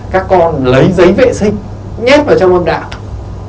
các con lấy giấy vệ sinh nhét vào trong âm đạo